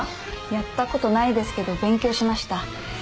やった事ないですけど勉強しました。